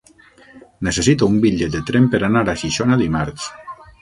Necessito un bitllet de tren per anar a Xixona dimarts.